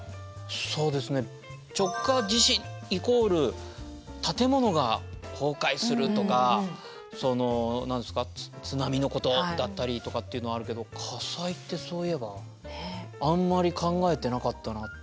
そうですね直下地震イコール建物が崩壊するとかその何ですか津波のことだったりとかっていうのはあるけど火災ってそういえばあんまり考えてなかったなっていう。